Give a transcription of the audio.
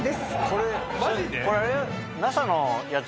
これ。